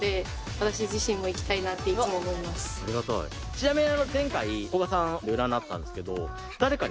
ちなみに。